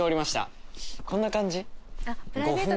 こんな感じ？